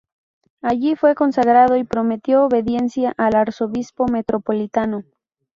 Allí fue consagrado y prometió obediencia al arzobispo metropolitano.